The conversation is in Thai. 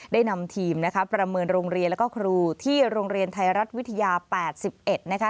นำทีมนะคะประเมินโรงเรียนแล้วก็ครูที่โรงเรียนไทยรัฐวิทยา๘๑นะคะ